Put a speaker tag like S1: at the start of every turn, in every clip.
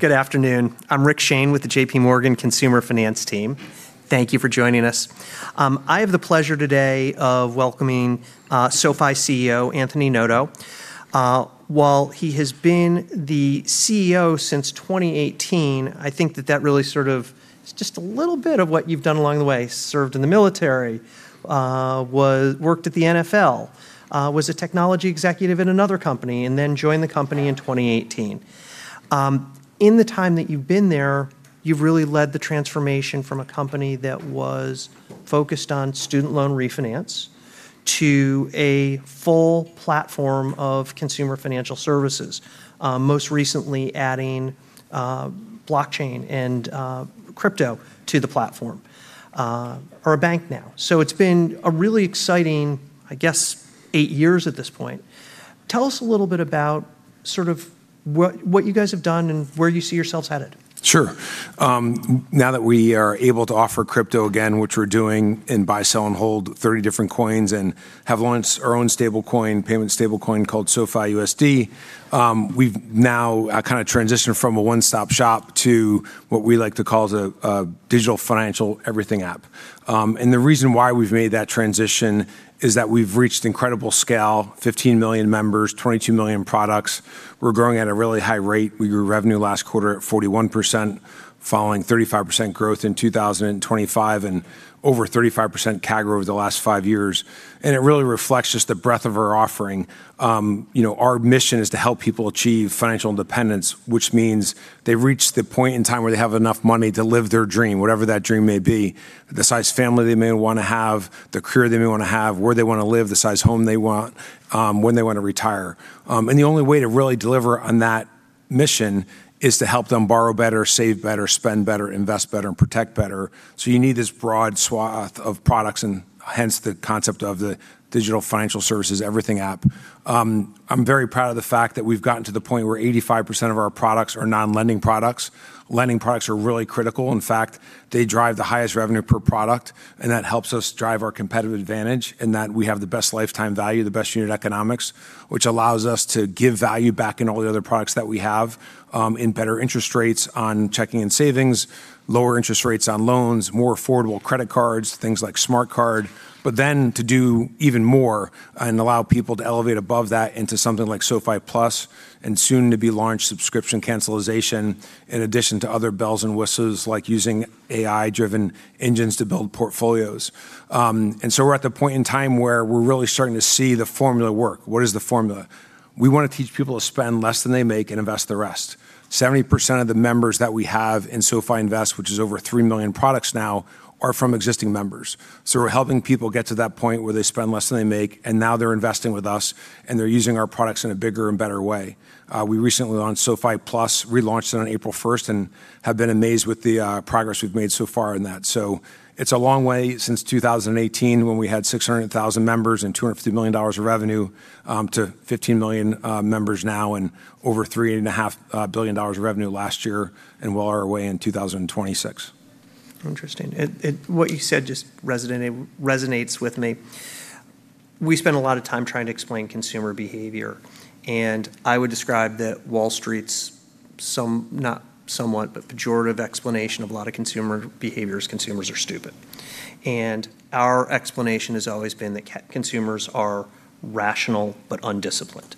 S1: Good afternoon. I'm Rick Shane with the JPMorgan Consumer Finance team. Thank you for joining us. I have the pleasure today of welcoming SoFi CEO, Anthony Noto. While he has been the CEO since 2018, I think that that really sort of is just a little bit of what you've done along the way. Served in the military, worked at the NFL, was a technology executive in another company, and then joined the company in 2018. In the time that you've been there, you've really led the transformation from a company that was focused on student loan refinance to a full platform of consumer financial services. Most recently adding blockchain and crypto to the platform, or a bank now. It's been a really exciting, I guess, eight years at this point. Tell us a little bit about sort of what you guys have done and where you see yourselves headed?
S2: Sure. Now that we are able to offer crypto again, which we're doing, and buy, sell and hold 30 different coins, and have launched our own stable coin, payment stable coin called SoFiUSD, we've now kinda transitioned from a one-stop shop to what we like to call the digital financial everything app. The reason why we've made that transition is that we've reached incredible scale, 15 million members, 22 million products. We're growing at a really high rate. We grew revenue last quarter at 41%, following 35% growth in 2025 and over 35% CAGR over the last five years, and it really reflects just the breadth of our offering. You know, our mission is to help people achieve financial independence, which means they've reached the point in time where they have enough money to live their dream, whatever that dream may be. The size family they may wanna have, the career they may wanna have, where they wanna live, the size home they want, when they want to retire. The only way to really deliver on that mission is to help them borrow better, save better, spend better, invest better, and protect better. You need this broad swath of products and hence the concept of the digital financial services everything app. I'm very proud of the fact that we've gotten to the point where 85% of our products are non-lending products. Lending products are really critical. In fact, they drive the highest revenue per product. That helps us drive our competitive advantage in that we have the best lifetime value, the best unit economics, which allows us to give value back in all the other products that we have, in better interest rates on Checking and Savings, lower interest rates on loans, more affordable credit cards, things like Smart Card. To do even more and allow people to elevate above that into something like SoFi Plus and soon-to-be-launched subscription cancellation, in addition to other bells and whistles like using AI-driven engines to build portfolios. We're at the point in time where we're really starting to see the formula work. What is the formula? We wanna teach people to spend less than they make and invest the rest. 70% of the members that we have in SoFi Invest, which is over 3 million products now, are from existing members. We're helping people get to that point where they spend less than they make, and now they're investing with us, and they're using our products in a bigger and better way. We recently launched SoFi Plus, relaunched it on April 1st, and have been amazed with the progress we've made so far in that. It's a long way since 2018 when we had 600,000 members and $250 million of revenue to 15 million members now and over $3.5 billion of revenue last year and well on our way in 2026.
S1: Interesting. It resonates with me. We spend a lot of time trying to explain consumer behavior, I would describe that Wall Street's some, not somewhat, but pejorative explanation of a lot of consumer behavior is consumers are stupid. Our explanation has always been that consumers are rational but undisciplined,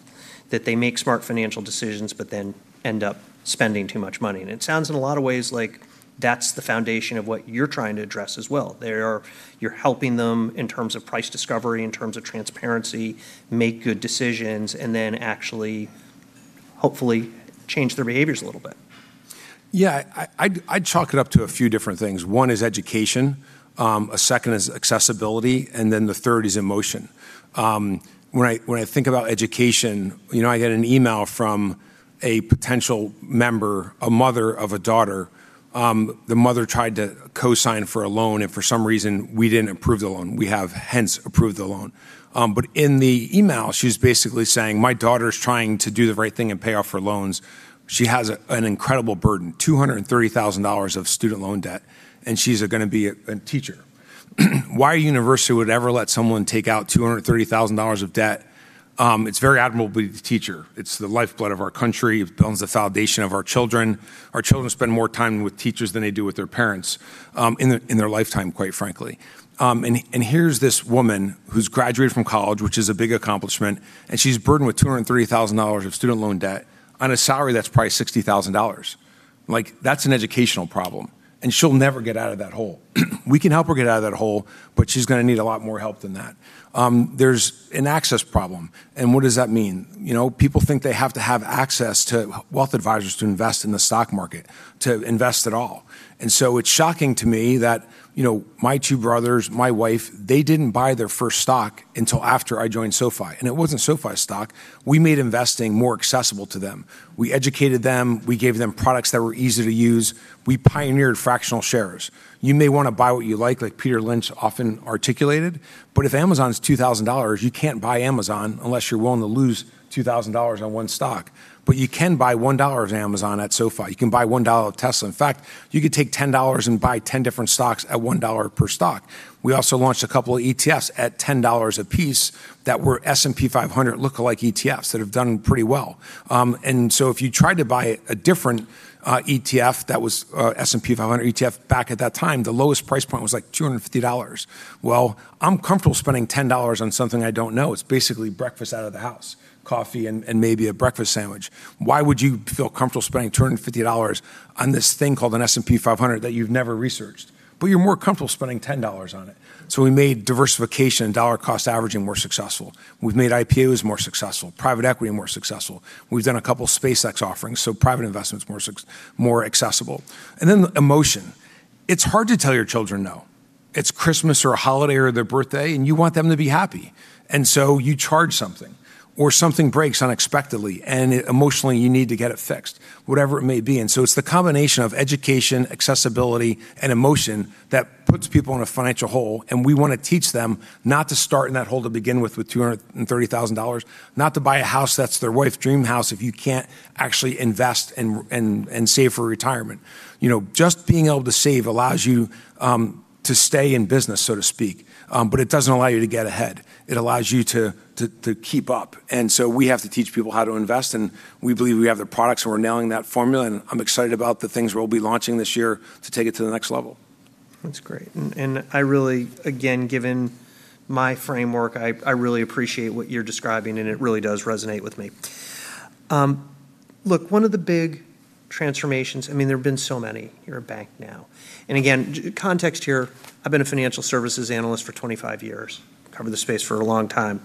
S1: that they make smart financial decisions but then end up spending too much money. It sounds in a lot of ways like that's the foundation of what you're trying to address as well. You're helping them in terms of price discovery, in terms of transparency, make good decisions, and then actually, hopefully, change their behaviors a little bit.
S2: Yeah. I chalk it up to a few different things. One is education, a second is accessibility, and the third is emotion. When I think about education, you know, I get an email from a potential member, a mother of a daughter. The mother tried to co-sign for a loan, for some reason, we didn't approve the loan. We have hence approved the loan. In the email, she's basically saying, "My daughter's trying to do the right thing and pay off her loans. She has an incredible burden, $230,000 of student loan debt, and she's gonna be a teacher." Why a university would ever let someone take out $230,000 of debt, it's very admirable to be the teacher. It's the lifeblood of our country. It builds the foundation of our children. Our children spend more time with teachers than they do with their parents in their lifetime, quite frankly. Here's this woman who's graduated from college, which is a big accomplishment, and she's burdened with $230,000 of student loan debt on a salary that's probably $60,000. Like, that's an educational problem, and she'll never get out of that hole. We can help her get out of that hole, but she's gonna need a lot more help than that. There's an access problem, what does that mean? You know, people think they have to have access to wealth advisors to invest in the stock market, to invest at all. It's shocking to me that, you know, my two brothers, my wife, they didn't buy their first stock until after I joined SoFi, and it wasn't SoFi stock. We made investing more accessible to them. We educated them. We gave them products that were easy to use. We pioneered fractional shares. You may want to buy what you like Peter Lynch often articulated, but if Amazon is $2,000, you can't buy Amazon unless you're willing to lose $2,000 on one stock. You can buy $1 of Amazon at SoFi. You can buy $1 of Tesla. In fact, you could take $10 and buy 10 different stocks at $1 per stock. We also launched a couple of ETFs at $10 apiece that were S&P 500 lookalike ETFs that have done pretty well. If you tried to buy a different ETF that was S&P 500 ETF back at that time, the lowest price point was, like, $250. Well, I'm comfortable spending $10 on something I don't know. It's basically breakfast out of the house, coffee and maybe a breakfast sandwich. Why would you feel comfortable spending $250 On this thing called an S&P 500 that you've never researched? You're more comfortable spending $10 on it. We made diversification and dollar cost averaging more successful. We've made IPOs more successful, private equity more successful. We've done a couple SpaceX offerings, so private investment's more accessible. Emotion. It's hard to tell your children no. It's Christmas or a holiday or their birthday, and you want them to be happy. You charge something, or something breaks unexpectedly, and emotionally you need to get it fixed, whatever it may be. It's the combination of education, accessibility, and emotion that puts people in a financial hole, and we want to teach them not to start in that hole to begin with $230,000, not to buy a house that's their wife dream house if you can't actually invest and save for retirement. You know, just being able to save allows you to stay in business, so to speak. It doesn't allow you to get ahead. It allows you to keep up. We have to teach people how to invest. We believe we have the products. We're nailing that formula. I'm excited about the things we'll be launching this year to take it to the next level.
S1: That's great. I really, again, given my framework, I really appreciate what you're describing, and it really does resonate with me. Look, one of the big transformations, I mean, there have been so many here at [SoFi] Bank now. Again, context here, I've been a financial services analyst for 25 years. Covered the space for a long time.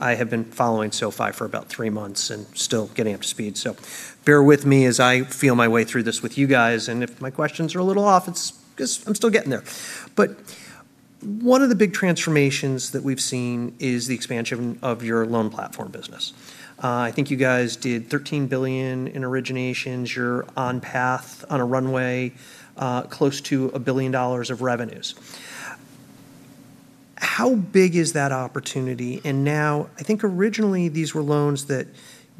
S1: I have been following SoFi for about three months and still getting up to speed. Bear with me as I feel my way through this with you guys. If my questions are a little off, it's 'cause I'm still getting there. One of the big transformations that we've seen is the expansion of your Loan Platform Business. I think you guys did $13 billion in originations. You're on path on a runway, close to $1 billion of revenues. How big is that opportunity? Now, I think originally these were loans that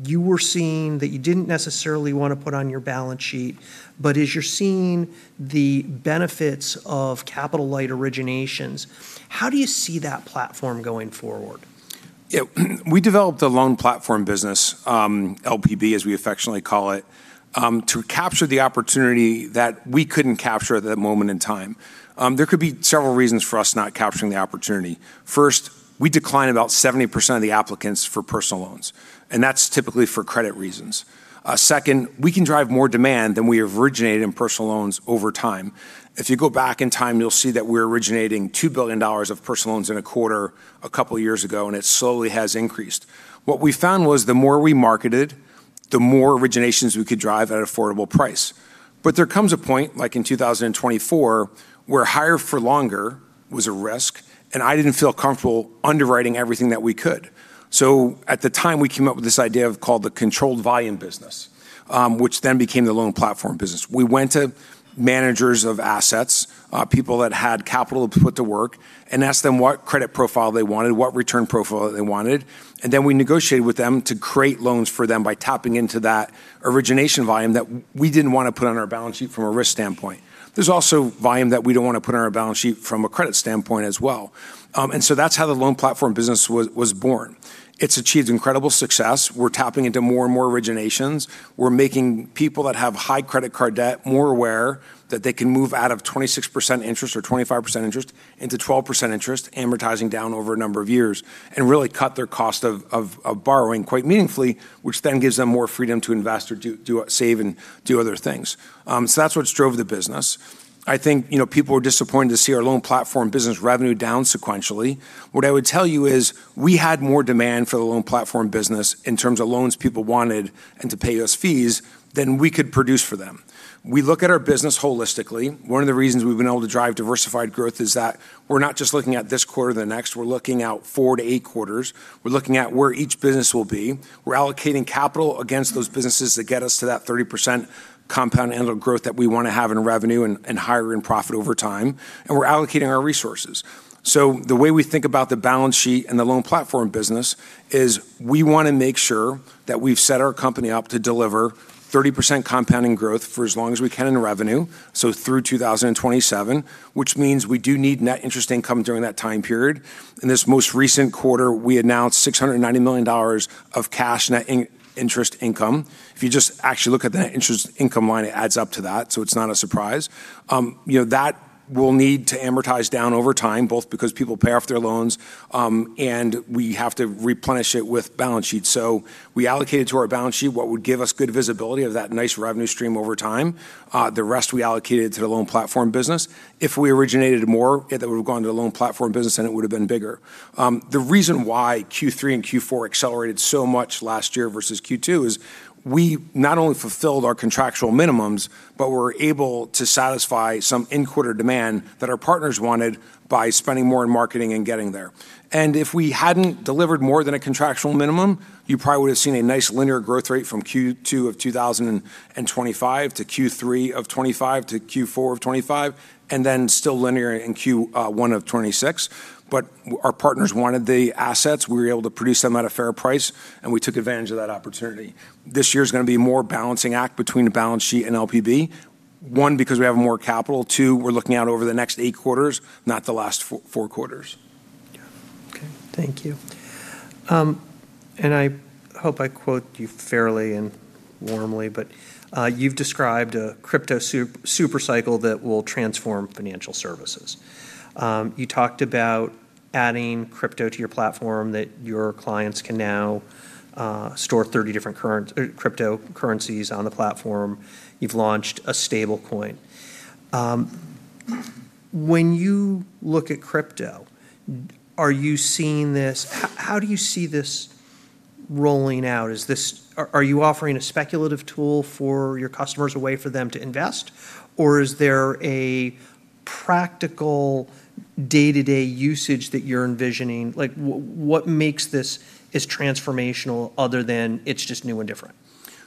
S1: you were seeing that you didn't necessarily want to put on your balance sheet, but as you're seeing the benefits of capital light originations, how do you see that Platform going forward?
S2: Yeah. We developed a Loan Platform Business, LPB, as we affectionately call it, to capture the opportunity that we couldn't capture at that moment in time. There could be several reasons for us not capturing the opportunity. First, we decline about 70% of the applicants for personal loans, and that's typically for credit reasons. Second, we can drive more demand than we originate in personal loans over time. If you go back in time, you'll see that we're originating $2 billion of personal loans in a quarter a couple of years ago, and it slowly has increased. What we found was the more we marketed, the more originations we could drive at an affordable price. There comes a point, like in 2024, where higher for longer was a risk, and I didn't feel comfortable underwriting everything that we could. At the time, we came up with this idea of called the controlled volume business, which then became the Loan Platform Business. We went to managers of assets, people that had capital to put to work and asked them what credit profile they wanted, what return profile they wanted, and then we negotiated with them to create loans for them by tapping into that origination volume that we didn't want to put on our balance sheet from a risk standpoint. There's also volume that we don't want to put on our balance sheet from a credit standpoint as well. That's how the Loan Platform Business was born. It's achieved incredible success. We're tapping into more and more originations. We're making people that have high credit card debt more aware that they can move out of 26% interest or 25% interest into 12% interest, amortizing down over a number of years and really cut their cost of borrowing quite meaningfully, which gives them more freedom to invest or do, save and do other things. That's what drove the business. I think, you know, people were disappointed to see our Loan Platform Business revenue down sequentially. What I would tell you is we had more demand for the Loan Platform Business in terms of loans people wanted and to pay us fees than we could produce for them. We look at our business holistically. One of the reasons we've been able to drive diversified growth is that we're not just looking at this quarter, the next. We're looking out four to eight quarters. We're looking at where each business will be. We're allocating capital against those businesses that get us to that 30% compound annual growth that we want to have in revenue and higher in profit over time. We're allocating our resources. The way we think about the balance sheet and the Loan Platform Business is we want to make sure that we've set our company up to deliver 30% compounding growth for as long as we can in revenue, so through 2027, which means we do need net interest income during that time period. In this most recent quarter, we announced $690 million of cash net interest income. If you just actually look at the interest income line, it adds up to that. It's not a surprise. You know, that will need to amortize down over time, both because people pay off their loans, and we have to replenish it with balance sheet. We allocated to our balance sheet what would give us good visibility of that nice revenue stream over time. The rest we allocated to the Loan Platform Business. If we originated more, it would have gone to the Loan Platform Business, and it would have been bigger. The reason why Q3 and Q4 accelerated so much last year versus Q2 is we not only fulfilled our contractual minimums, but were able to satisfy some in-quarter demand that our partners wanted by spending more in marketing and getting there. If we hadn't delivered more than a contractual minimum, you probably would have seen a nice linear growth rate from Q2 of 2025 to Q3 of 2025 to Q4 of 2025 and then still linear in Q1 of 2026. Our partners wanted the assets. We were able to produce them at a fair price, and we took advantage of that opportunity. This year's going to be more balancing act between the balance sheet and LPB, one, because we have more capital. Two, we're looking out over the next eight quarters, not the last four quarters.
S1: Okay. Thank you. I hope I quote you fairly and warmly, you've described a crypto super cycle that will transform financial services. You talked about adding crypto to your platform that your clients can now store 30 different cryptocurrencies on the platform. You've launched a stablecoin. When you look at crypto, how do you see this rolling out? Are you offering a speculative tool for your customers, a way for them to invest? Is there a practical day-to-day usage that you're envisioning? Like, what makes this as transformational other than it's just new and different?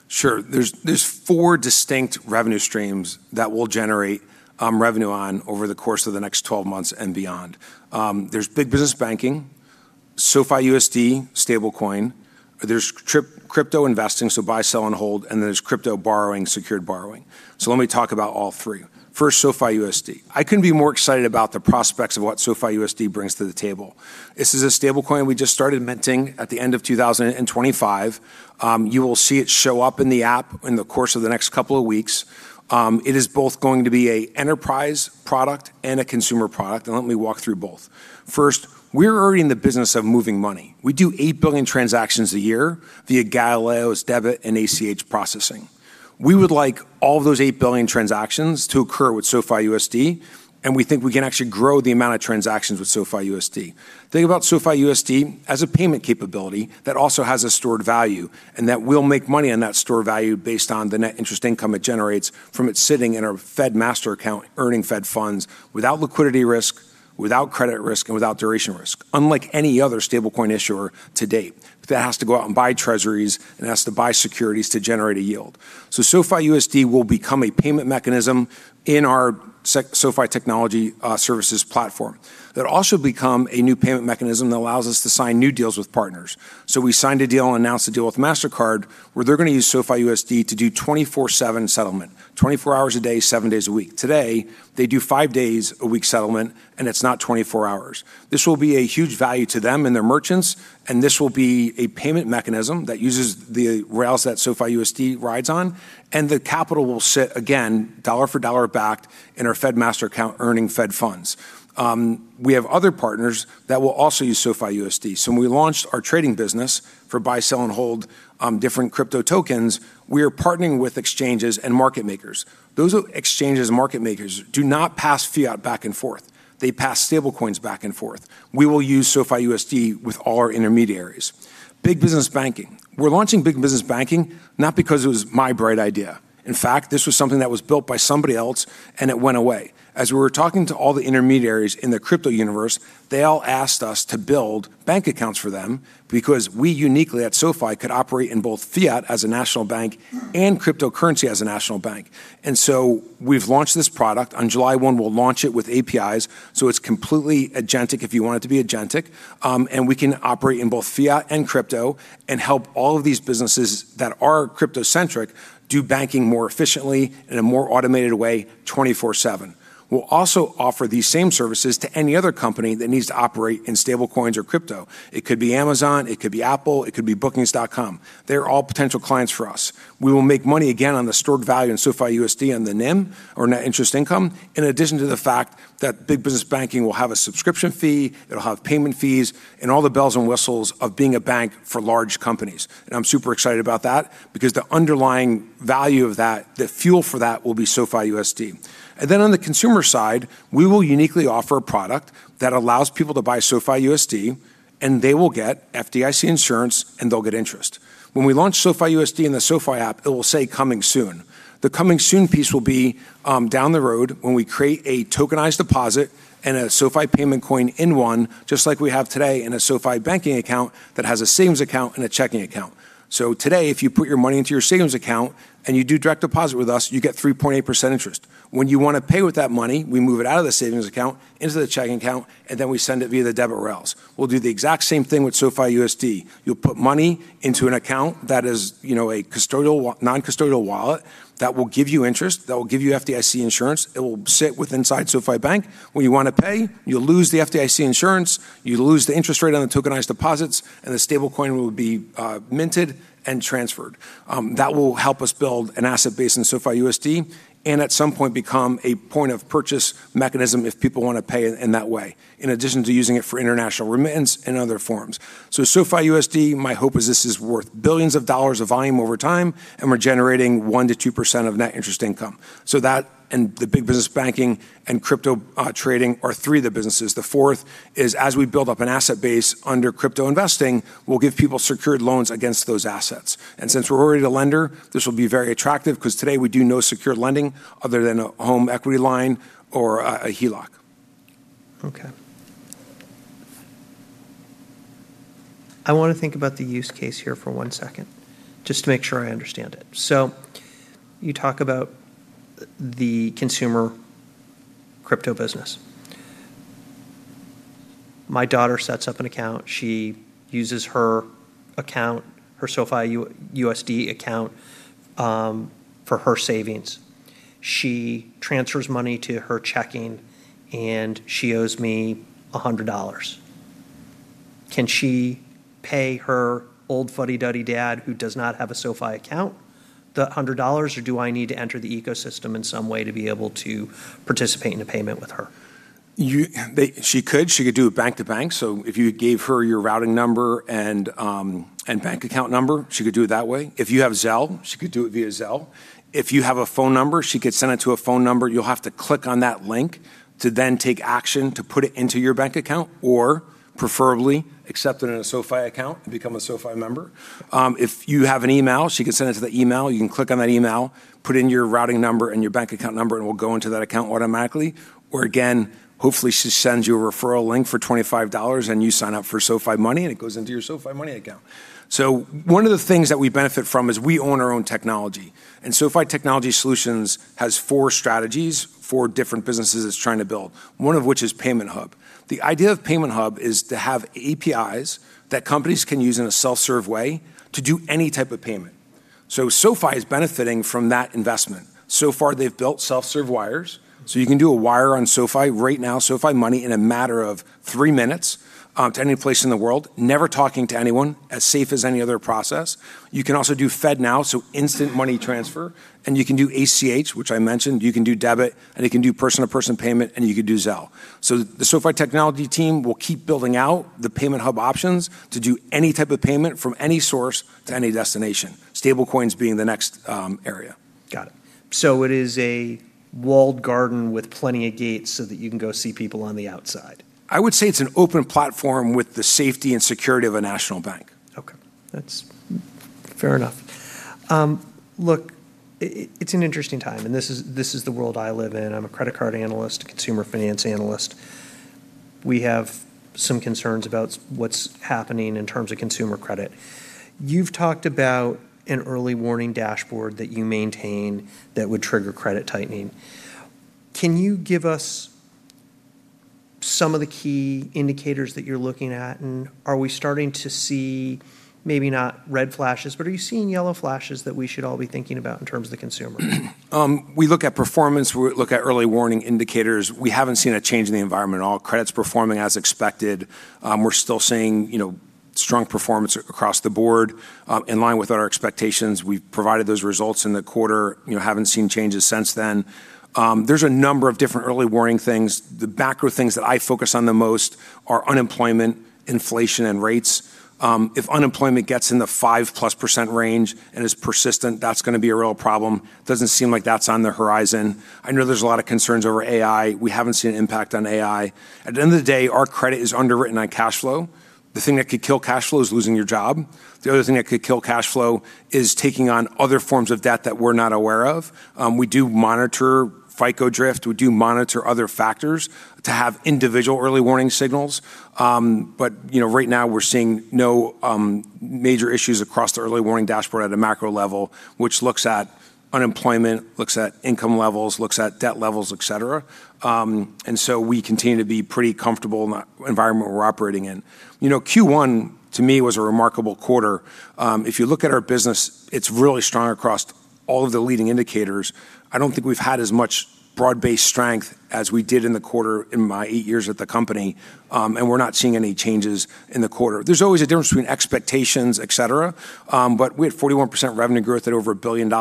S2: Sure. There's four distinct revenue streams that we'll generate revenue on over the course of the next 12 months and beyond. There's SoFi Big Business Banking, SoFiUSD stablecoin, there's crypto investing, so buy, sell, and hold, and there's crypto borrowing, secured borrowing. Let me talk about all three. First, SoFiUSD. I couldn't be more excited about the prospects of what SoFiUSD brings to the table. This is a stablecoin we just started minting at the end of 2025. You will see it show up in the app in the course of the next couple of weeks. It is both going to be a enterprise product and a consumer product, and let me walk through both. First, we're already in the business of moving money. We do 8 billion transactions a year via Galileo's debit and ACH processing. We would like all those 8 billion transactions to occur with SoFiUSD. We think we can actually grow the amount of transactions with SoFiUSD. Think about SoFiUSD as a payment capability that also has a stored value and that we'll make money on that stored value based on the net interest income it generates from it sitting in our Fed master account earning Fed funds without liquidity risk, without credit risk, and without duration risk, unlike any other stablecoin issuer to date that has to go out and buy treasuries and has to buy securities to generate a yield. SoFiUSD will become a payment mechanism in our SoFi Technology Platform services platform. It'll also become a new payment mechanism that allows us to sign new deals with partners. We signed a deal and announced a deal with Mastercard where they're going to use SoFiUSD to do 24/7 settlement, 24 hours a day, seven days a week. Today, they do five days a week settlement, and it's not 24 hours. This will be a huge value to them and their merchants, and this will be a payment mechanism that uses the rails that SoFiUSD rides on, and the capital will sit, again, dollar-for-dollar backed in our Fed master account earning Fed funds. We have other partners that will also use SoFiUSD. When we launched our trading business for buy, sell, and hold, different crypto tokens, we are partnering with exchanges and market makers. Those exchange and market makers do not pass fiat back and forth. They pass stablecoins back and forth. We will use SoFiUSD with all our intermediaries. Big Business Banking. We're launching SoFi Big Business Banking not because it was my bright idea. In fact, this was something that was built by somebody else, and it went away. As we were talking to all the intermediaries in the crypto universe, they all asked us to build bank accounts for them because we uniquely at SoFi could operate in both fiat as a national bank and cryptocurrency as a national bank. We've launched this product. On July 1, we'll launch it with APIs, so it's completely agentic if you want it to be agentic. We can operate in both fiat and crypto and help all of these businesses that are crypto-centric do banking more efficiently in a more automated way 24/7. We'll also offer these same services to any other company that needs to operate in stablecoins or crypto. It could be Amazon, it could be Apple, it could be Booking.com. They're all potential clients for us. We will make money again on the stored value in SoFiUSD and the NIM or net interest income, in addition to the fact that SoFi Big Business Banking will have a subscription fee, it'll have payment fees, and all the bells and whistles of being a bank for large companies. I'm super excited about that because the underlying value of that, the fuel for that will be SoFiUSD. On the consumer side, we will uniquely offer a product that allows people to buy SoFiUSD, and they will get FDIC insurance, and they'll get interest. When we launch SoFiUSD in the SoFi app, it will say, "Coming soon." The coming soon piece will be down the road when we create a tokenized deposit and a SoFi payment coin in one, just like we have today in a SoFi banking account that has a savings account and a checking account. Today, if you put your money into your savings account and you do direct deposit with us, you get 3.8% interest. When you wanna pay with that money, we move it out of the savings account into the checking account, and then we send it via the debit rails. We'll do the exact same thing with SoFiUSD. You'll put money into an account that is, you know, a non-custodial wallet that will give you interest, that will give you FDIC insurance. It will sit with inside SoFi Bank. When you wanna pay, you lose the FDIC insurance, you lose the interest rate on the tokenized deposits, and the stablecoin will be minted and transferred. That will help us build an asset base in SoFiUSD and at some point become a point of purchase mechanism if people wanna pay in that way, in addition to using it for international remittance and other forms. SoFiUSD, my hope is this is worth billions of dollars of volume over time, and we're generating 1%-2% of net interest income. That and the Big Business Banking and Crypto trading are three of the businesses. The 4th is, as we build up an asset base under crypto investing, we'll give people secured loans against those assets. Since we're already the lender, this will be very attractive because today we do no secured lending other than a home equity line or a HELOC.
S1: I wanna think about the use case here for one second, just to make sure I understand it. You talk about the consumer crypto business. My daughter sets up an account. She uses her account, her SoFiUSD account for her savings. She transfers money to her checking, and she owes me $100. Can she pay her old fuddy-duddy dad who does not have a SoFi account the $100, or do I need to enter the ecosystem in some way to be able to participate in a payment with her?
S2: You, they, she could. She could do it bank-to-bank. If you gave her your routing number and bank account number, she could do it that way. If you have Zelle, she could do it via Zelle. If you have a phone number, she could send it to a phone number. You'll have to click on that link to then take action to put it into your bank account, or preferably accept it in a SoFi account and become a SoFi member. If you have an email, she could send it to the email. You can click on that email, put in your routing number and your bank account number, and it will go into that account automatically. Again, hopefully she sends you a referral link for $25 and you sign up for SoFi Money, and it goes into your SoFi Money account. One of the things that we benefit from is we own our own technology, and SoFi Technology Platform has four strategies for different businesses it's trying to build, one of which is Payment Hub. The idea of Payment Hub is to have APIs that companies can use in a self-serve way to do any type of payment. SoFi is benefiting from that investment. So far, they've built self-serve wires. You can do a wire on SoFi right now, SoFi Money, in a matter of three minutes to any place in the world, never talking to anyone, as safe as any other process. You can also do FedNow, so instant money transfer. You can do ACH, which I mentioned. You can do debit, and it can do person-to-person payment, and you could do Zelle. The SoFi technology team will keep building out the Payment Hub options to do any type of payment from any source to any destination, stable coins being the next area.
S1: Got it. It is a walled garden with plenty of gates so that you can go see people on the outside.
S2: I would say it's an open platform with the safety and security of a national bank.
S1: Okay. That's fair enough. Look, it's an interesting time, this is the world I live in. I'm a credit card analyst, a consumer finance analyst. We have some concerns about what's happening in terms of consumer credit. You've talked about an early warning dashboard that you maintain that would trigger credit tightening. Can you give us some of the key indicators that you're looking at? Are we starting to see maybe not red flashes, but are you seeing yellow flashes that we should all be thinking about in terms of the consumer?
S2: We look at performance. We look at early warning indicators. We haven't seen a change in the environment at all. Credit's performing as expected. We're still seeing, you know, strong performance across the board, in line with our expectations. We've provided those results in the quarter, you know, haven't seen changes since then. There's a number of different early warning things. The macro things that I focus on the most are unemployment, inflation, and rates. If unemployment gets in the 5+% range and is persistent, that's gonna be a real problem. Doesn't seem like that's on the horizon. I know there's a lot of concerns over AI. We haven't seen an impact on AI. At the end of the day, our credit is underwritten on cashflow. The thing that could kill cashflow is losing your job. The other thing that could kill cashflow is taking on other forms of debt that we're not aware of. We do monitor FICO drift. We do monitor other factors to have individual early warning signals. You know, right now we're seeing no major issues across the early warning dashboard at a macro level, which looks at unemployment, looks at income levels, looks at debt levels, et cetera. We continue to be pretty comfortable in the environment we're operating in. You know, Q1 to me was a remarkable quarter. If you look at our business, it's really strong across all of the leading indicators. I don't think we've had as much broad-based strength as we did in the quarter in my eight years at the company. We're not seeing any changes in the quarter. There's always a difference between expectations, et cetera. We had 41% revenue growth at over $1 billion,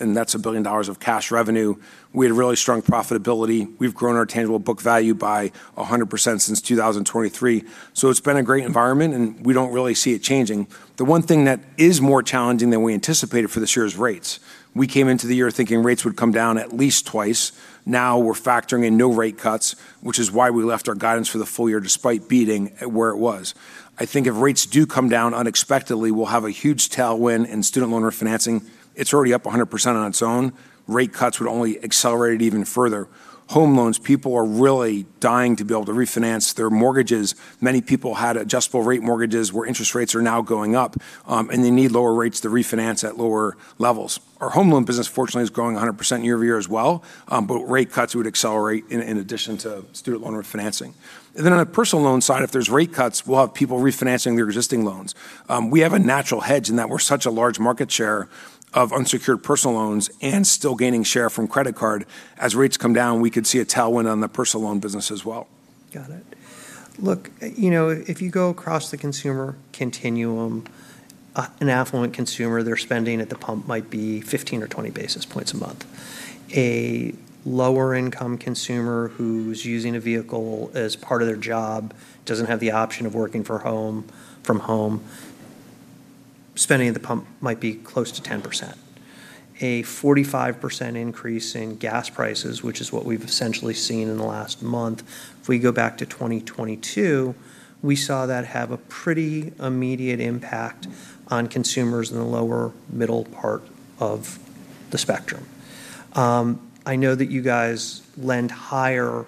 S2: and that's $1 billion of cash revenue. We had really strong profitability. We've grown our tangible book value by 100% since 2023. It's been a great environment, and we don't really see it changing. The one thing that is more challenging than we anticipated for this year is rates. We came into the year thinking rates would come down at least twice. Now we're factoring in no rate cuts, which is why we left our guidance for the full year despite beating where it was. I think if rates do come down unexpectedly, we'll have a huge tailwind in student loan refinancing. It's already up 100% on its own. Rate cuts would only accelerate it even further. Home loans, people are really dying to be able to refinance their mortgages. Many people had adjustable rate mortgages where interest rates are now going up, they need lower rates to refinance at lower levels. Our home loan business fortunately is growing 100% year-over-year as well. Rate cuts would accelerate in addition to student loan refinancing. On a personal loan side, if there's rate cuts, we'll have people refinancing their existing loans. We have a natural hedge in that we're such a large market share of unsecured personal loans and still gaining share from credit card. As rates come down, we could see a tailwind on the personal loan business as well.
S1: Got it. Look, you know, if you go across the consumer continuum, an affluent consumer, their spending at the pump might be 15 or 20 basis points a month. A lower income consumer who's using a vehicle as part of their job, doesn't have the option of working from home, spending at the pump might be close to 10%. A 45% increase in gas prices, which is what we've essentially seen in the last month, if we go back to 2022, we saw that have a pretty immediate impact on consumers in the lower middle part of the spectrum. I know that you guys lend higher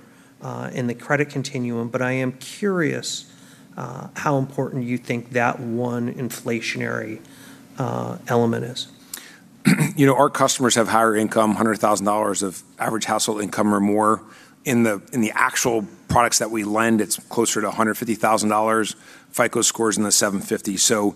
S1: in the credit continuum, but I am curious how important you think that one inflationary element is.
S2: You know, our customers have higher income, $100,000 of average household income or more. In the actual products that we lend, it's closer to $150,000. FICO score's in the $750.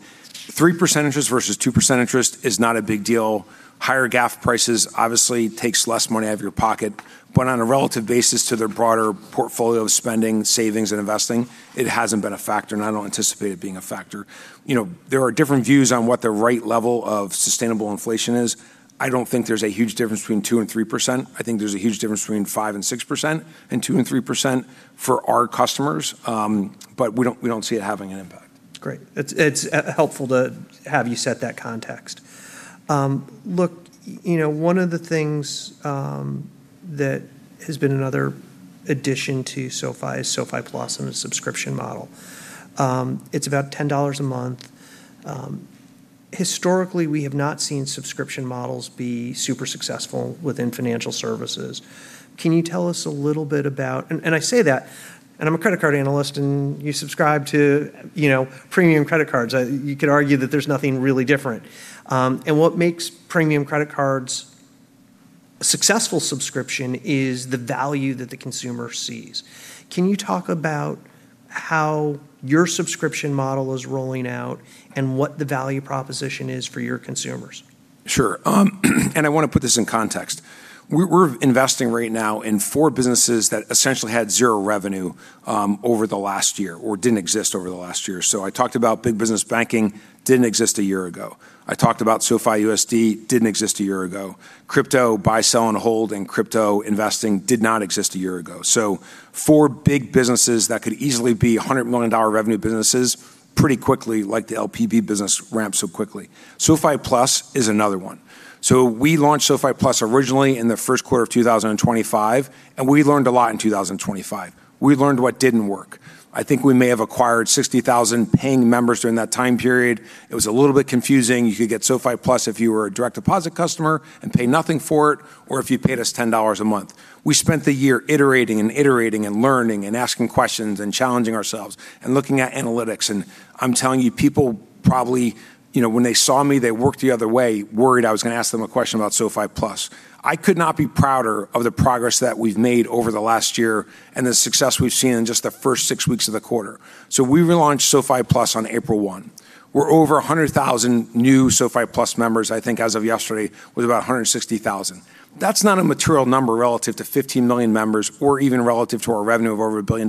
S2: 3% interest versus 2% interest is not a big deal. Higher gas prices obviously takes less money out of your pocket. On a relative basis to their broader portfolio of spending, savings, and investing, it hasn't been a factor, and I don't anticipate it being a factor. You know, there are different views on what the right level of sustainable inflation is. I don't think there's a huge difference between 2% and 3%. I think there's a huge difference between 5% and 6% and 2% and 3% for our customers. We don't see it having an impact.
S1: Great. It's helpful to have you set that context. Look, you know, one of the things that has been another addition to SoFi is SoFi Plus and the subscription model. It's about $10 a month. Historically, we have not seen subscription models be super successful within financial services. Can you tell us a little bit about I say that, I'm a credit card analyst, you subscribe to, you know, premium credit cards. You could argue that there's nothing really different. What makes premium credit cards a successful subscription is the value that the consumer sees. Can you talk about how your subscription model is rolling out and what the value proposition is for your consumers?
S2: Sure. I wanna put this in context. We're investing right now in four businesses that essentially had 0 revenue over the last year or didn't exist over the last year. I talked about SoFi Big Business Banking. Didn't exist a year ago. I talked about SoFiUSD. Didn't exist a year ago. SoFi Crypto and crypto investing did not exist a year ago. So four big businesses that could easily be $100 million revenue businesses pretty quickly like the LPB business ramped so quickly. SoFi Plus is another one. We launched SoFi Plus originally in Q1 2025, and we learned a lot in 2025. We learned what didn't work. I think we may have acquired 60,000 paying members during that time period. It was a little bit confusing. You could get SoFi Plus if you were a direct deposit customer and pay nothing for it or if you paid us $10 a month. We spent the year iterating and iterating and learning and asking questions and challenging ourselves and looking at analytics. I'm telling you, people probably, you know, when they saw me, they walked the other way worried I was gonna ask them a question about SoFi Plus. I could not be prouder of the progress that we've made over the last year and the success we've seen in just the first six weeks of the quarter. We relaunched SoFi Plus on April 1. We're over 100,000 new SoFi Plus members. I think as of yesterday, it was about 160,000. That's not a material number relative to 15 million members or even relative to our revenue of over $1 billion.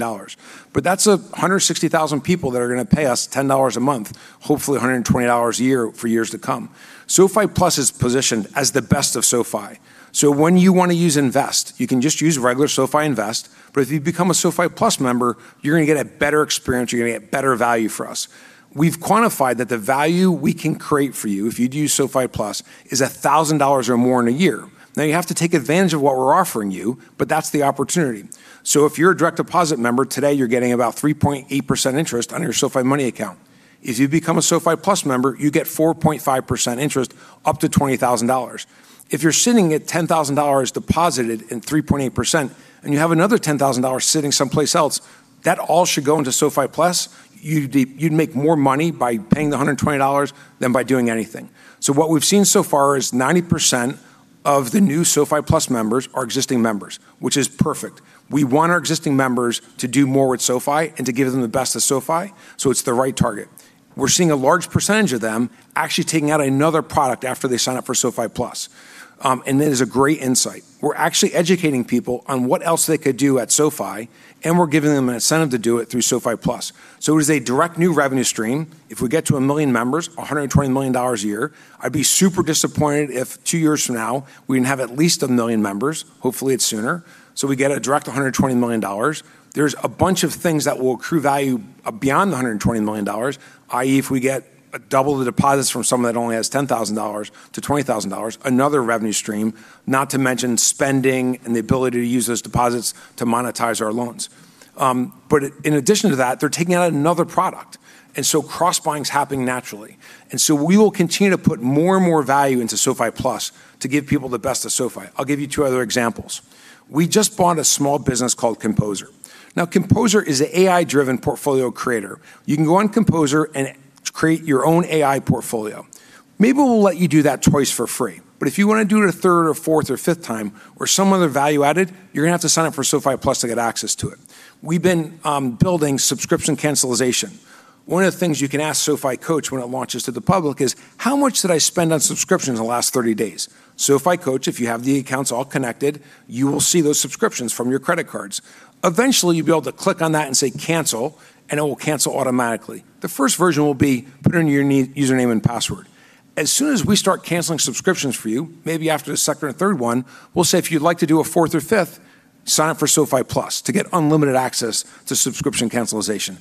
S2: That's 160,000 people that are gonna pay us $10 a month, hopefully $120 a year for years to come. SoFi Plus is positioned as the best of SoFi. When you wanna use Invest, you can just use regular SoFi Invest, but if you become a SoFi Plus member, you're gonna get a better experience, you're gonna get better value for us. We've quantified that the value we can create for you if you do use SoFi Plus is $1,000 or more in a year. Now, you have to take advantage of what we're offering you, but that's the opportunity. If you're a direct deposit member, today you're getting about 3.8% interest on your SoFi Money account. If you become a SoFi Plus member, you get 4.5% interest up to $20,000. If you're sitting at $10,000 deposited in 3.8% and you have another $10,000 sitting someplace else, that all should go into SoFi Plus. You'd make more money by paying the $120 than by doing anything. What we've seen so far is 90% of the new SoFi Plus members are existing members, which is perfect. We want our existing members to do more with SoFi and to give them the best of SoFi, it's the right target. We're seeing a large percentage of them actually taking out another product after they sign up for SoFi Plus, that is a great insight. We're actually educating people on what else they could do at SoFi, we're giving them an incentive to do it through SoFi Plus. It is a direct new revenue stream. If we get to 1 million members, $120 million a year. I'd be super disappointed if two years from now we didn't have at least 1 million members. Hopefully, it's sooner. We get a direct $120 million. There's a bunch of things that will accrue value beyond the $120 million, i.e., if we get double the deposits from someone that only has $10,000 to $20,000, another revenue stream, not to mention spending and the ability to use those deposits to monetize our loans. In addition to that, they're taking out another product, cross-buying's happening naturally. We will continue to put more and more value into SoFi Plus to give people the best of SoFi. I'll give you two other examples. We just bought a small business called Composer. Composer is a AI-driven portfolio creator. You can go on Composer and create your own AI portfolio. Maybe we'll let you do that twice for free, if you wanna do it a third or fourth or fifth time or some other value added, you're gonna have to sign up for SoFi Plus to get access to it. We've been building subscription cancellation. One of the things you can ask SoFi Coach when it launches to the public is, "How much did I spend on subscriptions in the last 30 days?" SoFi Coach, if you have the accounts all connected, you will see those subscriptions from your credit cards. Eventually, you'll be able to click on that and say cancel, it will cancel automatically. The first version will be put in your username and password. As soon as we start canceling subscriptions for you, maybe after the second or third one, we'll say, "If you'd like to do a fourth or fifth, sign up for SoFi Plus to get unlimited access to subscription cancellation."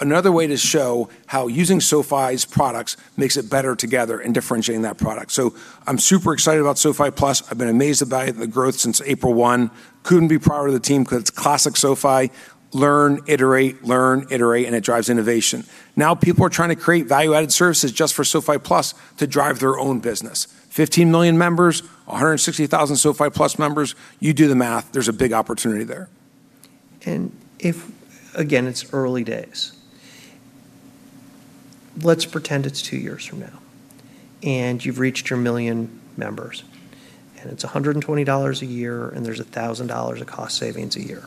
S2: Another way to show how using SoFi's products makes it better together in differentiating that product. I'm super excited about SoFi Plus. I've been amazed about it and the growth since April 1. Couldn't be prouder of the team 'cause it's classic SoFi. Learn, iterate, learn, iterate, and it drives innovation. Now people are trying to create value-added services just for SoFi Plus to drive their own business. 15 million members, 160,000 SoFi Plus members. You do the math. There's a big opportunity there.
S1: If, again, it's early days, let's pretend it's two years from now and you've reached 2 million members, and it's $140 a year, and there's $1,000 of cost savings a year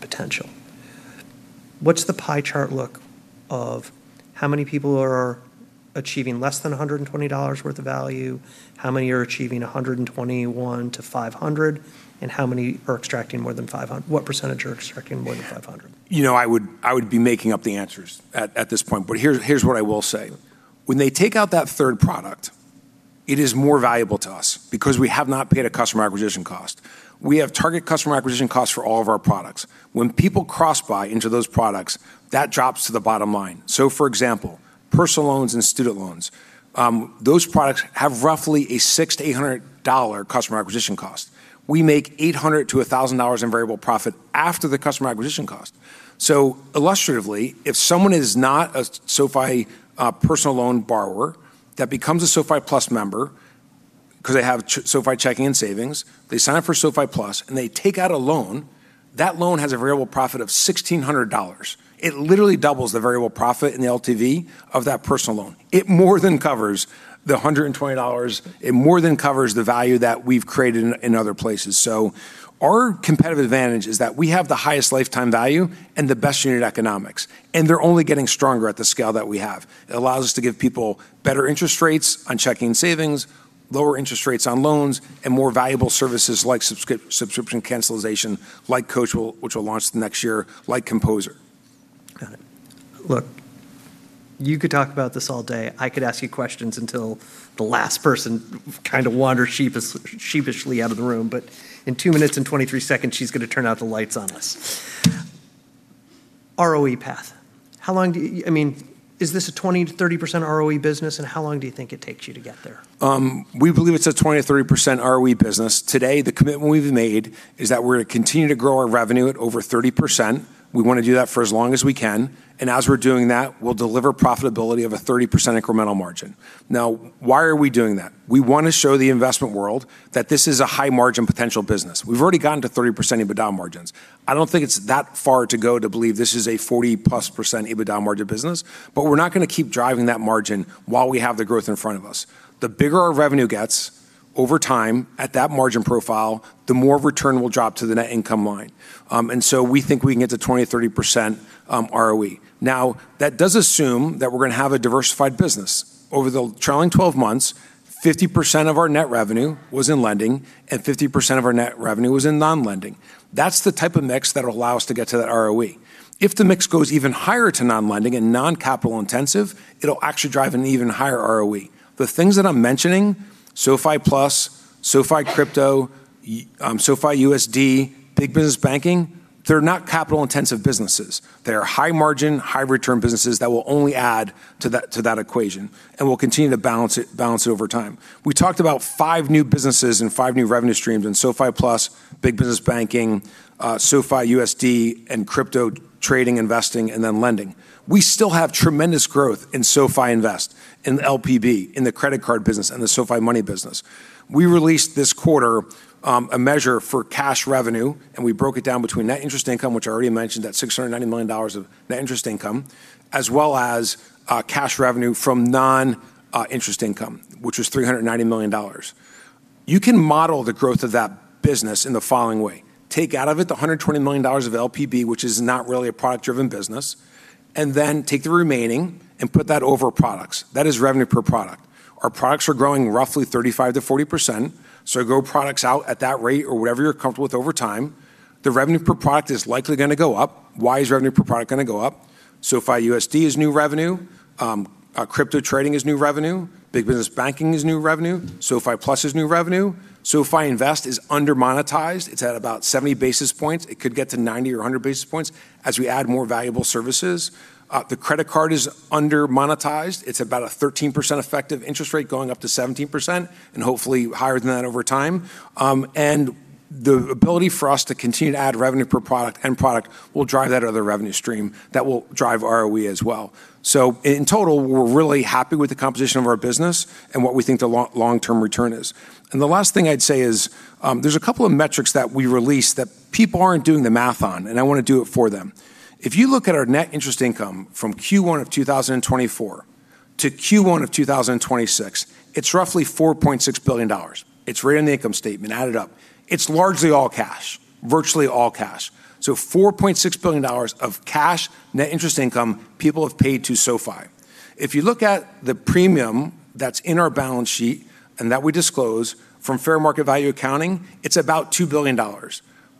S1: potential. What's the pie chart look of how many people are achieving less than $120 worth of value, how many are achieving $121-$500, and how many are extracting more than $500? What percentage are extracting more than $500?
S2: You know, I would be making up the answers at this point. Here's what I will say. When they take out that third product. It is more valuable to us because we have not paid a customer acquisition cost. We have target customer acquisition costs for all of our products. When people cross-buy into those products, that drops to the bottom line. For example, personal loans and student loans, those products have roughly a $600-$800 customer acquisition cost. We make $800-$1,000 in variable profit after the customer acquisition cost. Illustratively, if someone is not a SoFi personal loan borrower that becomes a SoFi Plus member because they have SoFi Checking and Savings, they sign up for SoFi Plus, and they take out a loan, that loan has a variable profit of $1,600. It literally doubles the variable profit in the LTV of that personal loan. It more than covers the $120. It more than covers the value that we've created in other places. Our competitive advantage is that we have the highest lifetime value and the best unit economics, and they're only getting stronger at the scale that we have. It allows us to give people better interest rates on checking savings, lower interest rates on loans, and more valuable services like subscription cancellation, like Coach, which will launch the next year, like Composer.
S1: Got it. Look, you could talk about this all day. I could ask you questions until the last person kind of wanders sheepishly out of the room. In two minutes and 23 seconds, she's gonna turn out the lights on us. ROE path. How long do you I mean, is this a 20%-30% ROE business, and how long do you think it takes you to get there?
S2: We believe it's a 20%-30% ROE business. Today, the commitment we've made is that we're gonna continue to grow our revenue at over 30%. We wanna do that for as long as we can, and as we're doing that, we'll deliver profitability of a 30% incremental margin. Why are we doing that? We wanna show the investment world that this is a high margin potential business. We've already gotten to 30% EBITDA margins. I don't think it's that far to go to believe this is a 40%+ EBITDA margin business, but we're not gonna keep driving that margin while we have the growth in front of us. The bigger our revenue gets over time at that margin profile, the more return will drop to the net income line. So we think we can get to 20%-30% ROE. That does assume that we're going to have a diversified business. Over the trailing 12 months, 50% of our net revenue was in lending and 50% of our net revenue was in non-lending. That's the type of mix that will allow us to get to that ROE. If the mix goes even higher to non-lending and non-capital intensive, it will actually drive an even higher ROE. The things that I'm mentioning, SoFi Plus, SoFi Crypto, SoFiUSD, Big Business Banking, they are not capital intensive businesses. They are high margin, high return businesses that will only add to that equation and will continue to balance it over time. We talked about five new businesses and five new revenue streams in SoFi Plus, Big Business Banking, SoFiUSD and crypto trading, investing and then lending. We still have tremendous growth in SoFi Invest, in the LPB, in the credit card business and the SoFi Money business. We released this quarter, a measure for cash revenue and we broke it down between net interest income, which I already mentioned, that $690 million of net interest income, as well as cash revenue from non interest income, which was $390 million. You can model the growth of that business in the following way. Take out of it the $120 million of LPB, which is not really a product driven business, and then take the remaining and put that over products. That is revenue per product. Our products are growing roughly 35%-40%, grow products out at that rate or whatever you're comfortable with over time. The revenue per product is likely gonna go up. Why is revenue per product gonna go up? SoFiUSD is new revenue. Crypto trading is new revenue. SoFi Big Business Banking is new revenue. SoFi Plus is new revenue. SoFi Invest is under monetized. It's at about 70 basis points. It could get to 90 or 100 basis points as we add more valuable services. The credit card is under monetized. It's about a 13% effective interest rate going up to 17% and hopefully higher than that over time. The ability for us to continue to add revenue per product end product will drive that other revenue stream that will drive ROE as well. In total, we're really happy with the composition of our business and what we think the long, long term return is. The last thing I'd say is, there's a couple of metrics that we released that people aren't doing the math on, and I wanna do it for them. If you look at our net interest income from Q1 of 2024 to Q1 of 2026, it's roughly $4.6 billion. It's right on the income statement. Add it up. It's largely all cash. Virtually all cash. $4.6 billion of cash net interest income people have paid to SoFi. If you look at the premium that's in our balance sheet and that we disclose from fair market value accounting, it's about $2 billion.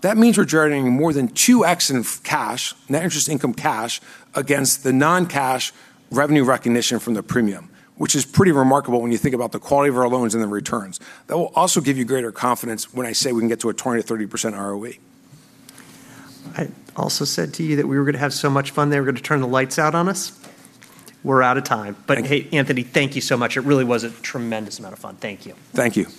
S2: That means we're generating more than 2x in cash, net interest income cash against the non-cash revenue recognition from the premium, which is pretty remarkable when you think about the quality of our loans and the returns. That will also give you greater confidence when I say we can get to a 20%-30% ROE.
S1: I also said to you that we were gonna have so much fun they were gonna turn the lights out on us. We're out of time.
S2: Thank you.
S1: Hey, Anthony, thank you so much. It really was a tremendous amount of fun. Thank you.
S2: Thank you.